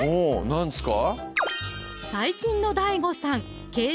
何ですか？